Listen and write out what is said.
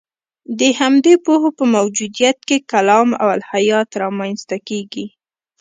د همدې پوهو په موجودیت کې کلام او الهیات رامنځته کېږي.